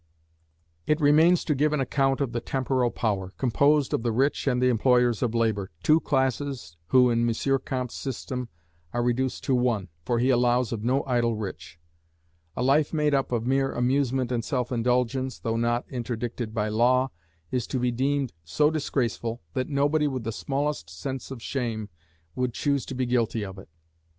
It remains to give an account of the Temporal Power, composed of the rich and the employers of labour, two classes who in M. Comte's system are reduced to one, for he allows of no idle rich. A life made up of mere amusement and self indulgence, though not interdicted by law, is to be deemed so disgraceful, that nobody with the smallest sense of shame would choose to be guilty of it.